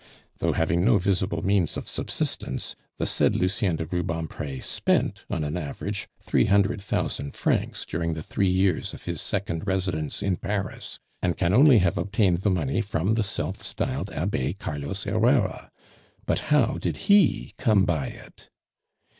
"Though having no visible means of subsistence, the said Lucien de Rubempre spent on an average three hundred thousand francs during the three years of his second residence in Paris, and can only have obtained the money from the self styled Abbe Carlos Herrera but how did he come by it?